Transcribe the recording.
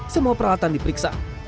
semua peralatan diperiksa